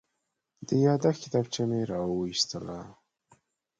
د یادښت کتابچه مې راوویسته.